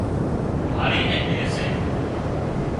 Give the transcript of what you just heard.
هاۯِي نين ڪي سي